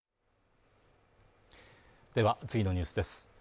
では、次のニュースです。